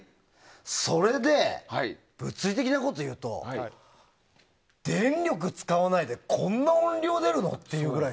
それで、物理的なこと言うと電力使わないでこんな音量出るの！ってくらい。